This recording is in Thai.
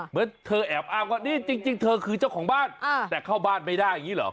เหมือนเธอแอบอ้างว่านี่จริงเธอคือเจ้าของบ้านแต่เข้าบ้านไม่ได้อย่างนี้เหรอ